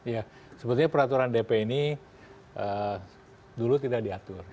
ya sebetulnya peraturan dp ini dulu tidak diatur